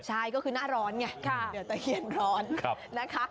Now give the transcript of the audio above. ใช่ก็คือหน้าร้อนไงตะเคียนร้อนนะฮะ